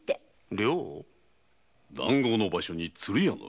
談合の場所に鶴屋の寮を？